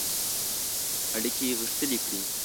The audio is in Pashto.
اړیکي غښتلي کړي.